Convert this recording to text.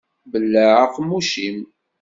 Belleɛ aqemmuc-im.